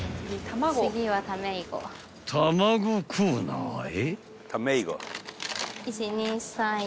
［卵コーナーへ］